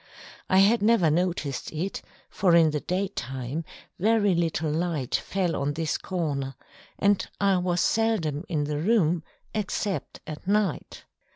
I had never noticed it, for in the daytime very little light fell on this corner, and I was seldom in the room except at night.